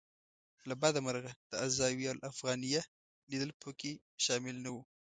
له بده مرغه د الزاویة الافغانیه لیدل په کې شامل نه و.